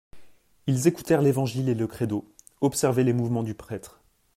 Ils écoutèrent l'Évangile et le Credo, observaient les mouvements du prêtre.